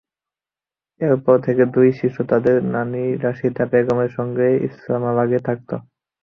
এরপর থেকে দুই শিশু তাদের নানি রাশিদা বেগমের সঙ্গে ইসলামবাগে থাকত।